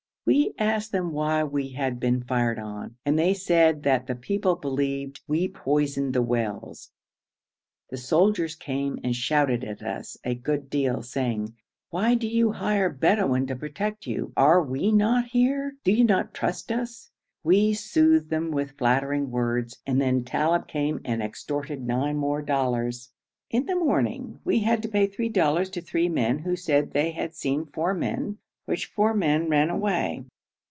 We asked them why we had been fired on, and they said that the people believed we poisoned the wells. The soldiers came and shouted at us a good deal, saying, 'Why do you hire Bedouin to protect you? Are we not here? Do you not trust us?' We soothed them with flattering words, and then Talib came and extorted nine more dollars. In the morning we had to pay three dollars to three men who said they had seen four men, which four men ran away.